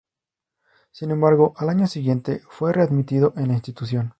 Sin embargo, al año siguiente fue readmitido en la institución.